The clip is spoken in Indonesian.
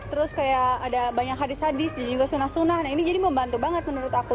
terus kayak ada banyak hadis hadis juga sunah sunah ini jadi membantu banget menurut aku